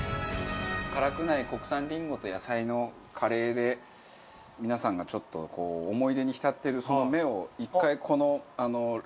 辛くない国産りんごと野菜のカレーで皆さんがちょっとこう思い出に浸っているその目を１回この。